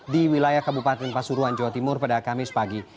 di wilayah kabupaten pasuruan jawa timur pada kamis pagi